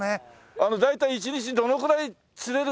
あの大体一日どのくらい釣れるんで？